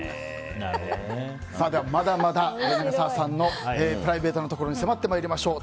まだまだ長澤さんのプライベートなところに迫ってまいりましょう。